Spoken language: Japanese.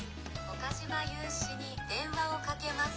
「岡嶋裕史に電話をかけます」。